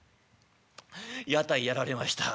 「屋台やられました」。